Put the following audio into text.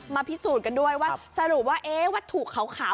พิสูจน์กันด้วยว่าสรุปว่าวัตถุขาว